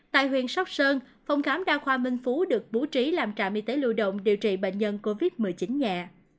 tại huyện sóc sơn phòng khám đa khoa minh phú được bố trí làm trạm y tế lưu động điều trị bệnh nhân covid một mươi chín nhẹ